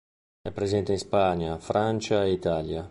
È presente in Spagna, Francia e Italia.